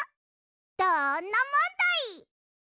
どんなもんだい！